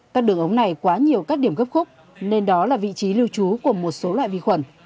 các đường ống này quá nhiều các điểm gấp khúc nên đó là vị trí lưu trú của một số loại vi khuẩn